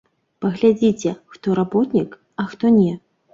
Паглядзіце, хто работнік, а хто не.